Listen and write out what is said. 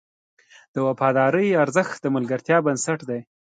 د وفادارۍ ارزښت د ملګرتیا بنسټ دی.